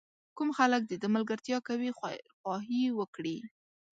کوم خلک د ده ملګرتیا کوي خیرخواهي وکړي.